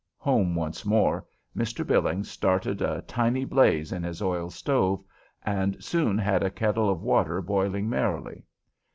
Home once more, Mr. Billings started a tiny blaze in his oil stove, and soon had a kettle of water boiling merrily.